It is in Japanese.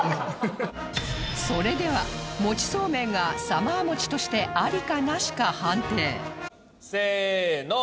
それではもちそうめんがサマーもちとしてアリかナシか判定せーの！